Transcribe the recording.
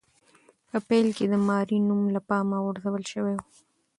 په پیل کې د ماري نوم له پامه غورځول شوی و.